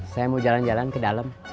saya mau jalan jalan ke dalam